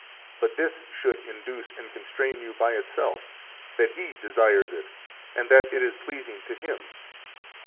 But this should induce and constrain you by itself, that He desires it and that it is pleasing to Him.